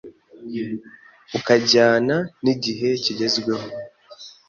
ukajyana n’igihe kigezweho